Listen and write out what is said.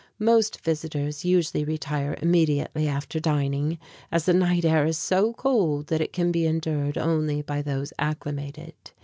Most visitors usually retire immediately after dining, as the night air is so cold that it can be endured only by those acclimated.